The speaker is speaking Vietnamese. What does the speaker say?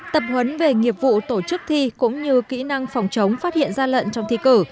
tập huấn về nghiệp vụ tổ chức thi cũng như kỹ năng phòng trống phát hiện gian lận trong thi cử